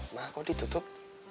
ma kok ditutup